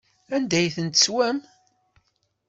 Anda ay ten-teswam?